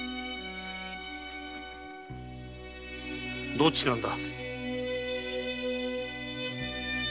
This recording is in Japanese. どっちなんだ。